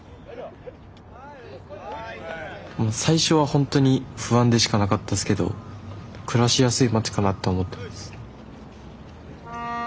もう最初はほんとに不安でしかなかったですけど暮らしやすい街かなって思ってます。